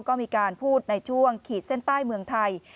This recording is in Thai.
ก็มีการพูดในช่วงขีดเส้นใต้เมืองไทย